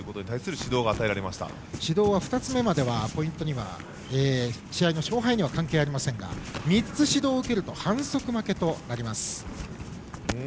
指導は２つ目までは試合の勝敗には関係ありませんが３つ指導を受けると反則負けとなります。